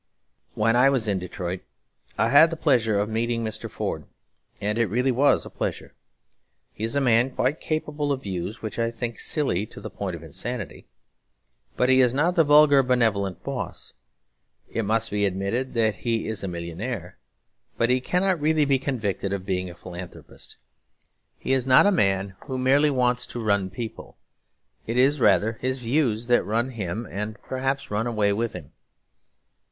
When I was in Detroit I had the pleasure of meeting Mr. Ford, and it really was a pleasure. He is a man quite capable of views which I think silly to the point of insanity; but he is not the vulgar benevolent boss. It must be admitted that he is a millionaire; but he cannot really be convicted of being a philanthropist. He is not a man who merely wants to run people; it is rather his views that run him, and perhaps run away with him.